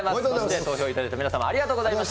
投票いただいた皆様、ありがとうございました。